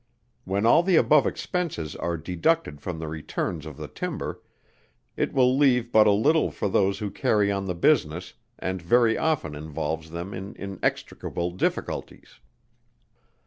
When all the above expenses are deducted from the returns of the timber, it will leave but a little for those who carry on the business, and very often involves them in inextricable difficulties.